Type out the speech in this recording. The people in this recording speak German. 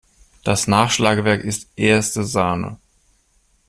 Das Nachschlagewerk ist erste Sahne!